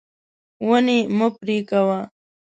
ونې مه پرې کوه.